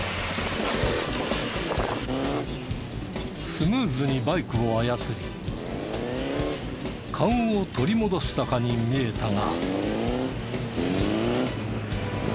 スムーズにバイクを操り勘を取り戻したかに見えたが。